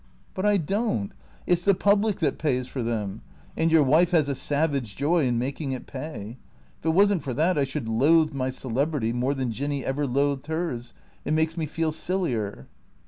"" But I don't. It 's the public that pays for them. And your wife has a savage joy in making it pay. If it was n't for that I should loathe my celebrity more than Jinny ever loathed hers. It makes me feel sillier."